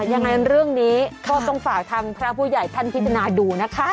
ยังไงเรื่องนี้ก็ต้องฝากทางพระผู้ใหญ่ท่านพิจารณาดูนะคะ